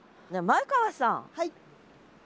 前川さん。